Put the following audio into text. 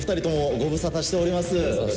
ご無沙汰してます。